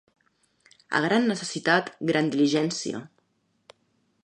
A gran necessitat, gran diligència.